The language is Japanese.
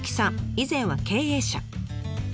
以前は経営者。